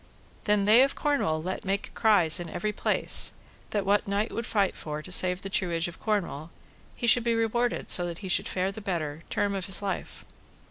Then they of Cornwall let make cries in every place, that what knight would fight for to save the truage of Cornwall, he should be rewarded so that he should fare the better, term of his life.